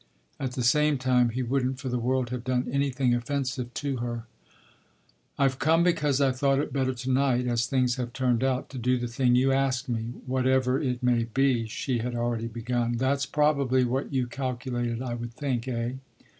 At the same time he wouldn't for the world have done anything offensive to her. "I've come because I thought it better to night, as things have turned out, to do the thing you ask me, whatever it may be," she had already begun. "That's probably what you calculated I would think, eh?